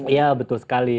iya betul sekali